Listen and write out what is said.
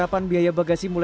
mainnya tidak adalah maksimal